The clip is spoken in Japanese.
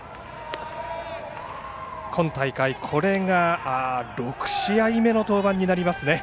今大会これが６試合目の登板になりますね